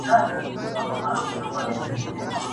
ما ویل زه به ستا ښایستې سینې ته؛